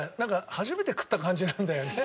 初めて食った感じなんだよね。